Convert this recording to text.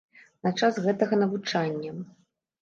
На час гэтага навучання.